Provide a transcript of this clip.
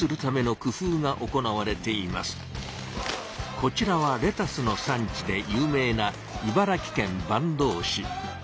こちらはレタスの産地で有名な茨城県坂東市。